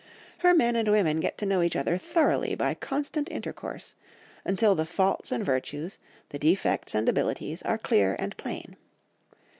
Her men and women get to know each other thoroughly by constant intercourse, until the faults and virtues, the defects and abilities, are clear and plain.